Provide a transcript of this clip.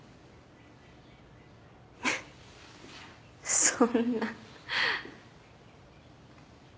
フッそんな。